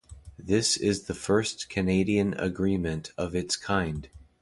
This is the first Canadian agreement of its kind.